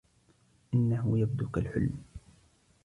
إنهُ يبدو كالحلم.